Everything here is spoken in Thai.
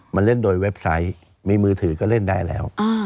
มันเล่นโดยเว็บไซต์มีมือถือก็เล่นได้แล้ว